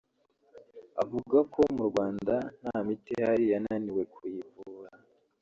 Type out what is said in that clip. avuga ko mu Rwanda nta miti ihari yananiwe kuyivura